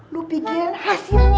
lu pikirin hasilnya